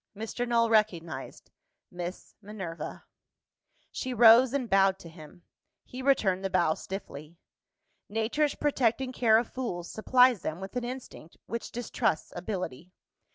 Mr. Null recognised Miss Minerva. She rose, and bowed to him. He returned the bow stiffly. Nature's protecting care of fools supplies them with an instinct which distrusts ability.